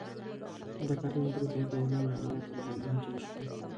دا کارتنونه په ګدام کې د نم له امله نمجن شوي.